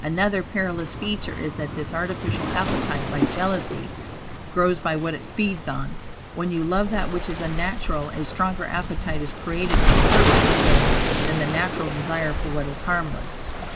Another perilous feature is that this artificial appetite, like jealousy, "grows by what it feeds on;" when you love that which is unnatural, a stronger appetite is created for the hurtful thing than the natural desire for what is harmless.